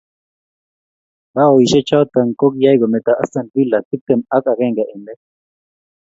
Baoishe choto ko kiyay kometa Aston Villa tiptem ak akenge eng let.